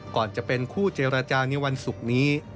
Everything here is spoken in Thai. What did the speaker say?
ก่อนจะเป็นคู่เจรจาในวันศุกร์นี้